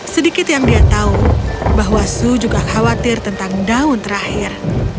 sedikit yang dia tahu bahwa su juga khawatir tentang daun terakhir